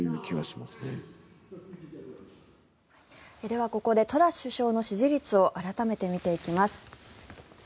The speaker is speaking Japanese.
では、ここでトラス首相の支持率を改めて見ていきます。